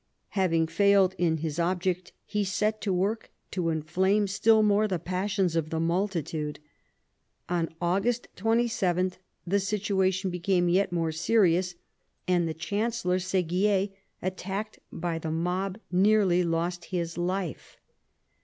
Having failed in his object, he set to work to inflame still more the passions of the multitude. On August 27 the situation became yet more serious, and the Chancellor Seguier, attacked by the mob, nearly lost his life.